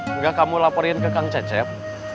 enggak kamu laporin ke kang cecep